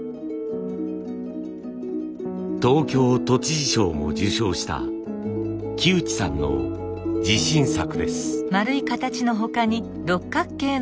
東京都知事賞も受賞した木内さんの自信作です。